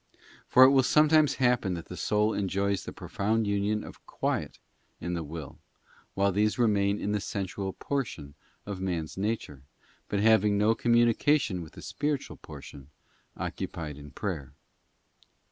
For it will sometimes happen that the soul enjoys the profound union of quiet in the will, while these remain in the sensual portion of man's nature, but having no com munication with the spiritual portion occupied in prayer.